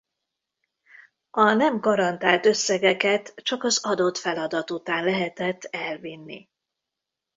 A nem garantált összegeket csak az adott feladat után lehetett elvinni.